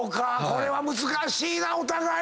これは難しいなお互い。